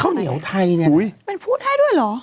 เข้าเหนียวไทยเนี่ยอุ๊ยเป็นพลุไทยด้วยเหรอ